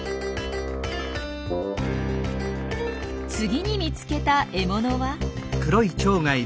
次に見つけた獲物は？